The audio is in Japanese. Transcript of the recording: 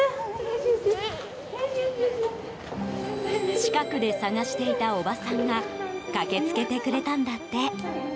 近くで捜していたおばさんが駆け付けてくれたんだって。